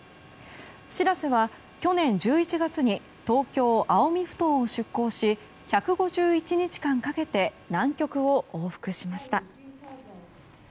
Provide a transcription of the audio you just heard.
「しらせ」は去年１１月に東京・青海ふ頭を出港し１５１日間かけて南極を往復しました。